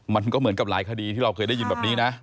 มันก็เหมือนกับหลายคดีที่เราเคยได้ยินแบบนี้นะ